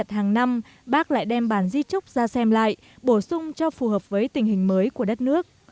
hàng năm bác lại đem bản di trúc ra xem lại bổ sung cho phù hợp với tình hình mới của đất nước